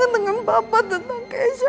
tentang bapak tentang keisha